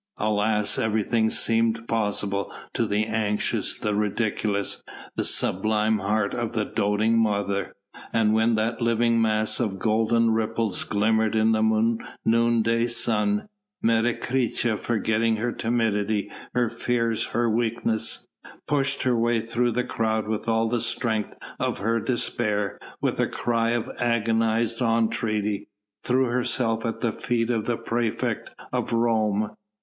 alas! everything seemed possible to the anxious, the ridiculous, the sublime heart of the doting mother, and when that living mass of golden ripples glimmered in the noonday sun, Menecreta forgetting her timidity, her fears, her weakness pushed her way through the crowd with all the strength of her despair, and with a cry of agonised entreaty, threw herself at the feet of the praefect of Rome.